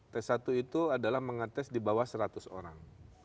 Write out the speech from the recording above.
tes satu itu adalah mengetes di bawah seratus orang